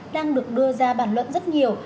đang được đưa ra bản luận rất nhiều